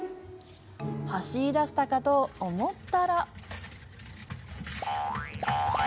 走り出したかと思ったら。